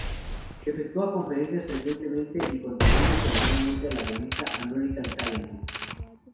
Efectúa conferencias frecuentemente, y contribuye semanalmente a la revista "American Scientist".